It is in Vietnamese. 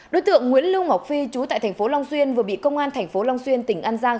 đối tượng nguyễn lưu ngọc phi chú tại tp long xuyên vừa bị công an tp long xuyên tỉnh an giang